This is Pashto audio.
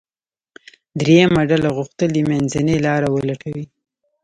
درېیمه ډله غوښتل یې منځنۍ لاره ولټوي.